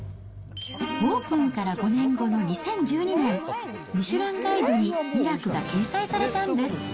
オープンから５年後の２０１２ねん、ミシュランガイドに味楽が掲載されたんです。